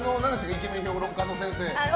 イケメン評論家の先生。